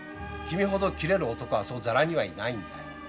君ほど切れる男はそうざらにはいないんだよ。